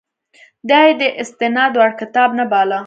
دا یې د استناد وړ کتاب نه باله.